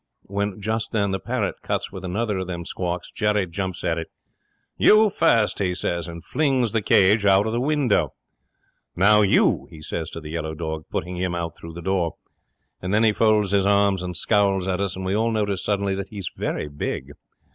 When just then the parrot cuts with another of them squawks. Jerry jumps at it. '"You first," he says, and flings the cage out of the window. "Now you," he says to the yellow dog, putting him out through the door. And then he folds his arms and scowls at us, and we all notice suddenly that he's very big.